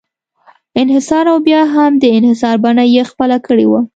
انحصار او بیا هم د انحصار بڼه یې خپله کړې وه.